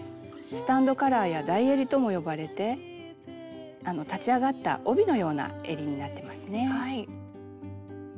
「スタンドカラー」や「台えり」とも呼ばれて立ち上がった帯のようなえりになってますね。